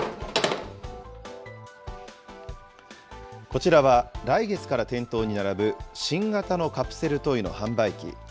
こちらは、来月から店頭に並ぶ新型のカプセルトイの販売機。